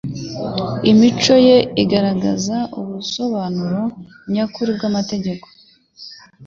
Imico ye igaragaza ubusobanuro nyakuri bw'amategeko